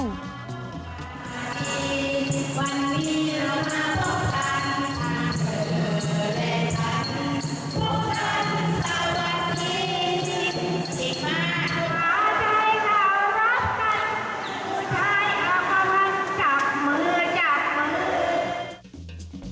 ไข่เรารับกันไข่เราก็มาจับมือจับมือ